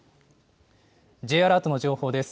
Ｊアラートの情報です。